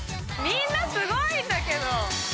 ・みんなすごいんだけど！